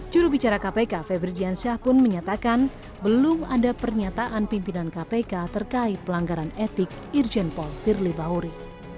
jurubicara kpk febri diansyah pun menyatakan belum ada pernyataan pimpinan kpk terkait pelanggaran etik irjen paul firly bahuri